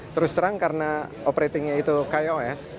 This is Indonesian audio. terus terang karena operatingnya itu kios